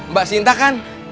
mbak sinta kan